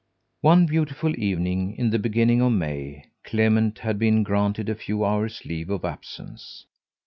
One beautiful evening in the beginning of May Clement had been granted a few hours' leave of absence.